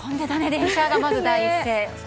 電車が、まず第一声。